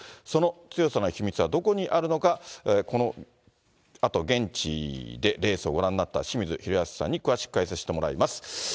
その強さの秘密はどこにあるのか、このあと現地でレースをご覧になった、清水宏保さんに、詳しく解説してもらいます。